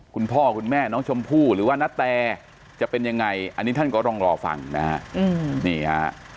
คุณพ่อคุณแม่น้องชมพู่หรือว่านาแตจะเป็นยังไงอันนี้ท่านก็ต้องรอฟังนะฮะนี่ฮะ